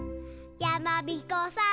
「やまびこさーん」